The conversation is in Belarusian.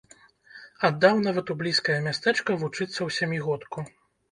Аддаў нават у блізкае мястэчка вучыцца ў сямігодку.